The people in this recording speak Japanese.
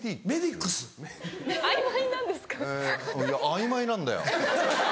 あいまいなんだよ。